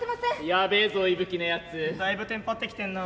やべえぞいぶきのやつだいぶテンパってきてんな。